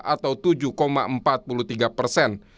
atau tujuh empat puluh tiga persen